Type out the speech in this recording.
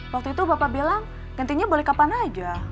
waktu itu bapak bilang gantinya boleh kapan aja